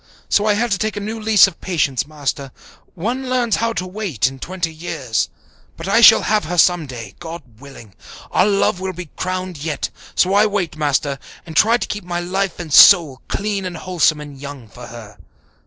So I had to take a new lease of patience, Master. One learns how to wait in twenty years. But I shall have her some day, God willing. Our love will be crowned yet. So I wait, Master, and try to keep my life and soul clean and wholesome and young for her.